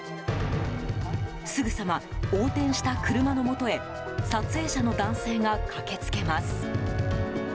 すぐさま横転した車のもとへ撮影者の男性が駆け付けます。